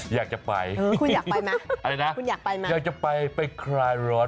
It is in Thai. อยากจะไปอะไรนะอยากจะไปไปคลายร้อน